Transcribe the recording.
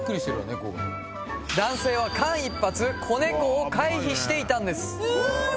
猫が男性は間一髪子猫を回避していたんです